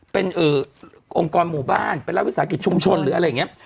เป็นเอ่อองค์กรหมู่บ้านไปเล่าวิสาหกิจชุมชนหรืออะไรเงี้ย